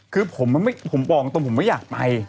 คือผมบอกตรงผมไม่อยากไป